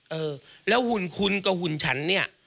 เออแล้วหุ่นคุณกับหุ่นฉันเนี่ย